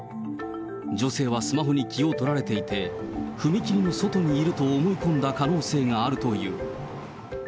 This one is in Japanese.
女性はスマホに気を取られていて、踏切の外にいると思い込んだ可能性があるという。